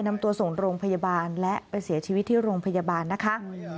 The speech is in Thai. นำตัวส่งโรงพยาบาลและไปเสียชีวิตที่โรงพยาบาลนะคะ